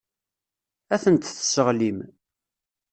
Ad tent-tesseɣlim.